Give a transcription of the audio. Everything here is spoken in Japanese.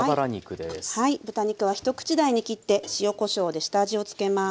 はい豚肉は一口大に切って塩こしょうで下味を付けます。